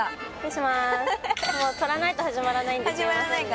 もう撮らないと始まらないんですいませんね